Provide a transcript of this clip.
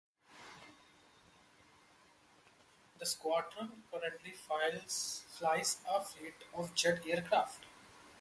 The squadron currently flies a fleet of jet aircraft.